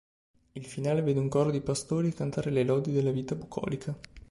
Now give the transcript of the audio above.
Il finale vede un coro di pastori cantare le lodi della vita bucolica.